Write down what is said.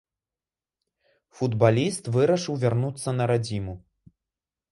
Футбаліст вырашыў вярнуцца на радзіму.